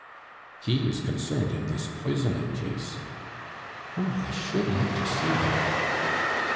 "He is concerned in this poisoning case." "Oh! I should like to see him."